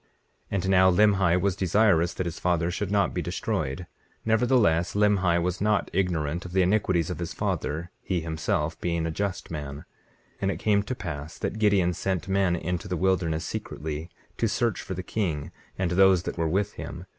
19:17 And now Limhi was desirous that his father should not be destroyed; nevertheless, Limhi was not ignorant of the iniquities of his father, he himself being a just man. 19:18 And it came to pass that Gideon sent men into the wilderness secretly, to search for the king and those that were with him.